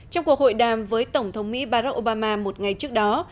trong cuộc hội đàm với tổng thống mỹ baro obama một ngày trước đó